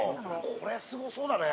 これすごそうだね。